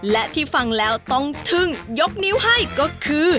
และที่ฟังแล้วต้องทึ่งยกนิ้วให้ก็คือ